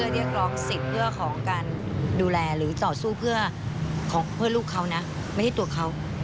ดูแลหรือต่อสู้เพื่อลูกเขานะไม่ได้ตัวเขา